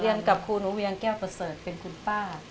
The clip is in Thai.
กับครูหนูเวียงแก้วประเสริฐเป็นคุณป้า